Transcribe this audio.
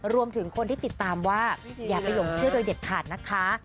รวมถึงคนที่ติดตามว่าอย่าไปหลงเชื่อโดยเด็ดขาดนะคะ